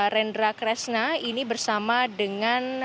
rendra kresna ini bersama dengan